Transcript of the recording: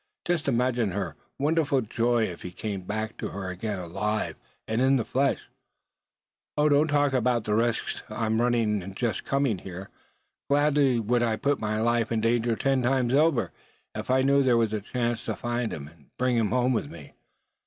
Just imagine her wonderful joy if he came back to her again alive and in the flesh! Oh! don't talk to me about the risks I am running in just coming here; gladly would I put my life in danger ten times over, if I knew there was a chance to find him, and bring him home with me.